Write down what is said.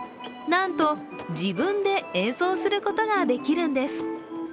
なんと自分で演奏することができるんです。